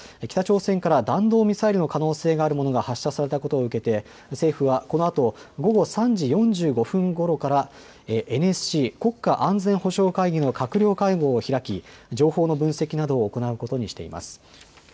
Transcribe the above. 北朝鮮から弾道ミサイルの可能性があるものが発射されたことを受けて、政府はこのあと午後３時４０分ごろからＮＳＣ・国家安全保障会議の閣僚会合を開き情報の分析などを行うことにしています。